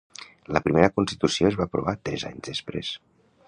La primera constitució es va aprovar tres anys després.